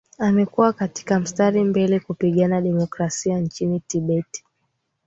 amekuwa katika mstari mbele kupigania demokrasia nchini tibet